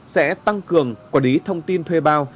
sẽ tăng cường quả đí thông tin thuê bao